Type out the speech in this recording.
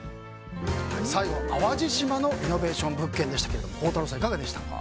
最後、淡路島のリノベーション物件でしたが孝太郎さん、いかがでしたか？